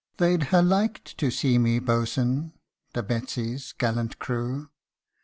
They'd ha 1 liked to see me Boatswain, The Betsey's gallant crew.